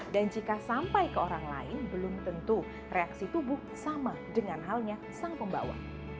dan jika sampai ke orang lain belum tentu reaksi tubuh sama dengan halnya sang pembawa